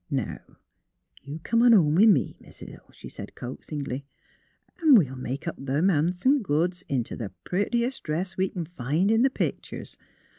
'* Now, you come on home with me, Mis' Hill," she said, coaxingly. '' 'N' we'll make up that han'some goods int' th' purtiest dress we c'n find in th' pictur's.